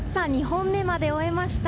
２本目まで終えました。